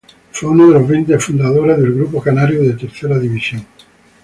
Fue uno de los veinte fundadores del grupo canario de Tercera División.